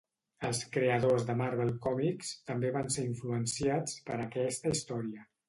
Els creadors de Marvel Comics també van ser influenciats per aquesta història.